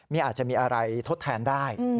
อาจจะมีอะไรทดแทนได้